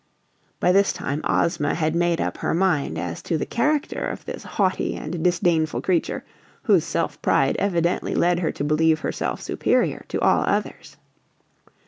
By this time Ozma had made up her mind as to the character of this haughty and disdainful creature, whose self pride evidently led her to believe herself superior to all others.